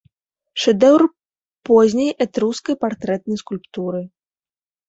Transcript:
Шэдэўр позняй этрускай партрэтнай скульптуры.